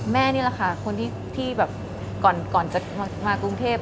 แม่นี่แหละค่ะคนที่ก่อนจะมากรุงเทพฯ